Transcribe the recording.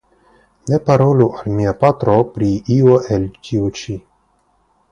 Ne parolu al mia patro pri io el tio ĉi.